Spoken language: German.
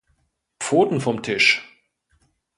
Pfoten vom Tisch!